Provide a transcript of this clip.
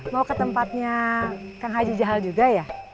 mau ke tempatnya kang haji jaha juga ya